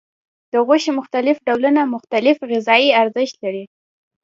د غوښې مختلف ډولونه مختلف غذایي ارزښت لري.